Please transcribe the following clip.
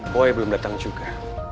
boy belum dateng juga